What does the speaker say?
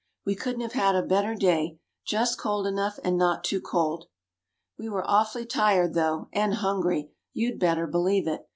We couldn't have had a better day, just cold enough, and not too cold. "We were awfully tired, though, and hungry you'd better believe it!